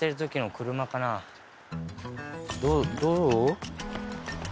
どう？